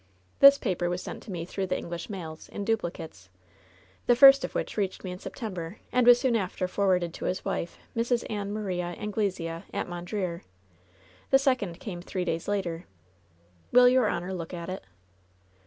This paper was sent to me through the English mails, in duplicates, the first of which reached me in Septem ber, and was soon after forwarded to his wife, Mrs. Ann Maria Anglesea, at Mondreer. The second came three days later. Will your honor look at it